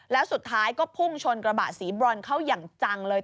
แล้วสุดท้ายก็พุ่งชนกระบะสีบรอนเข้าอย่างจังเลย